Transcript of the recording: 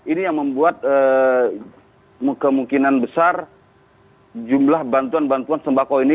ini yang membuat kemungkinan besar jumlah bantuan bantuan sembako ini